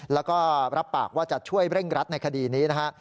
แล้วก็รับปากว่าจะช่วยเร่งรัดในคดีนี้นะฮะ